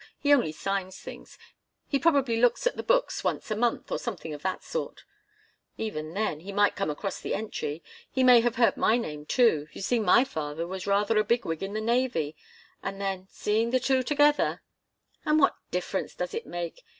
He only signs things. He probably looks at the books once a month, or something of that sort." "Even then he might come across the entry. He may have heard my name, too you see my father was rather a bigwig in the Navy and then, seeing the two together " "And what difference does it make?